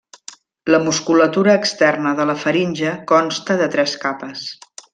La musculatura externa de la faringe consta de tres capes.